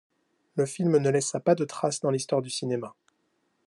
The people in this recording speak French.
Le film ne laissa pas de trace dans l’histoire du cinéma.